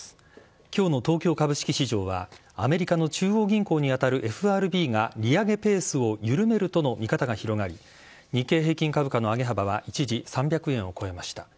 きょうの東京株式市場は、アメリカの中央銀行に当たるＦＲＢが利上げペースを緩めるとの見方が広がり、日経平均株価の上げ幅は、一時３００円を超えました。